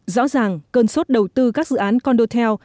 rõ ràng cơn sốt đầu tư các dự án con đô theo